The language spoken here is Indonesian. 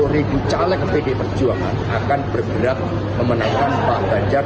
tiga puluh ribu caleg pdi perjuangan akan bergerak memenangkan pak ganjar